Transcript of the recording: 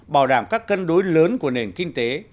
bảo đảm các cân đối lớn của nền kinh tế